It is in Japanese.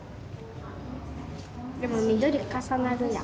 でも緑重なるやん。